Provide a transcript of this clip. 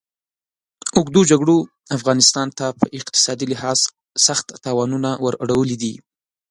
اوږدو جګړو افغانستان ته په اقتصادي لحاظ سخت تاوانونه ور اړولي دي.